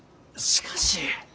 しかし。